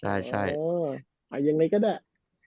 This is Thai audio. ใช่ใช่อ่าอ๋ออย่างไรก็ได้